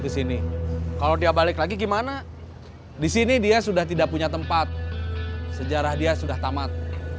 ke sini kalau dia balik lagi gimana di sini dia sudah tidak punya tempat sejarah dia sudah tamat